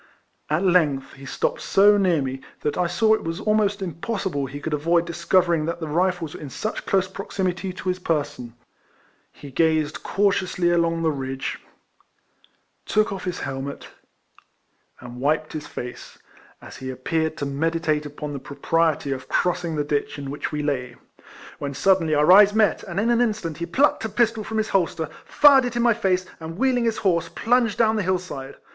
At length he stopped so near me, that I saw it was almost impossible he could avoid discovering that the Rifles were in such close proximity to his person. He gazed cautiously along the ridge, took off his helmet, and wiped his face, as he appeared to meditate upon the propriety of crossing the ditch in which we lay; when suddenly our eyes met, and in an instant he plucked a pistol from his holster, fired it in 174 RECOLLECTIONS OF my face, and, wheeling his horse, plunged down the hill side.